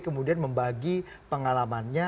kemudian membagi pengalamannya